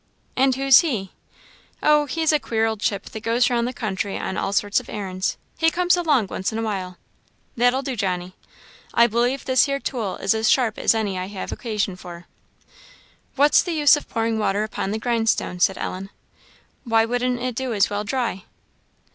"And who's he?" said Ellen. "Oh, he's a queer old chip that goes round the country on all sorts of errands; he comes along once in a while. That'll do, Johnny I believe this here tool is as sharp as I have any occasion for." "What's the use of pouring water upon the grindstone?" said Ellen; "why wouldn't it do as well dry?"